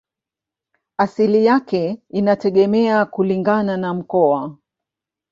Asili yake inategemea kulingana na mkoa.